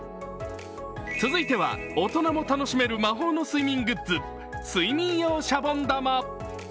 続いては、大人も楽しめる魔法の睡眠グッズ、睡眠用シャボン玉。